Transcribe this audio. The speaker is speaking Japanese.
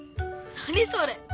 何それ？